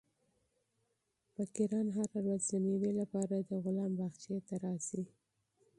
فقیران هره ورځ د مېوې لپاره د غلام باغچې ته راځي.